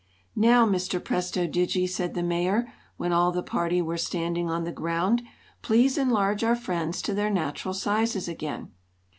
"Now, Mr. Presto Digi," said the Mayor, when all the party were standing on the ground, "please enlarge our friends to their natural sizes again."